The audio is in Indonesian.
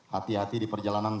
hati hati di perjalanan